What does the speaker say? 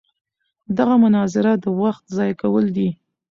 دغه مناظره د وخت ضایع کول دي.